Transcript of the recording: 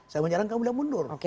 saya menyerang kamu mundur